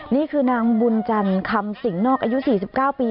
นี่คือนางบุญจันทร์คำสิงนอกอายุ๔๙ปี